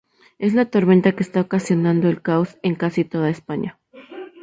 Es la tormenta que está ocasionando el caos en casi toda España.